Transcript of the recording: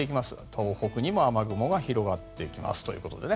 東北にも雨雲が広がっていきますということです。